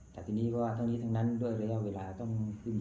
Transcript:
แต่ทีนี้ว่าทั้งนี้ทั้งนั้นด้วยระยะเวลาต้องขึ้น